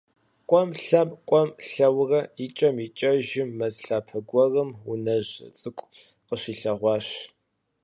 КӀуэм-лъэм, кӀуэм-лъэурэ, икӀэм икӀэжым, мэз лъапэ гуэрым унэжь цӀыкӀу къыщилъэгъуащ.